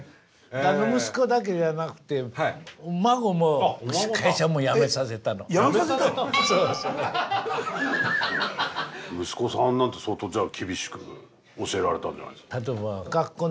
あの息子だけじゃなくて辞めさせたの⁉息子さんなんて相当じゃあ厳しく教えられたんじゃないですか？